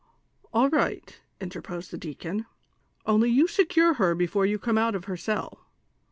"All right," interposed the deacon, "only you secure her before you come out of her cell.